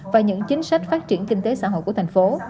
và những chính sách phát triển kinh tế xã hội của thành phố